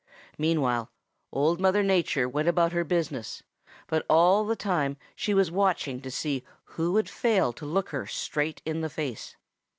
Meanwhile Old Mother Nature went about her business, but all the time she was watching to see who would fail to look her straight in the face.